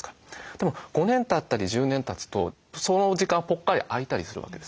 でも５年たったり１０年たつとその時間はぽっかり空いたりするわけですよ。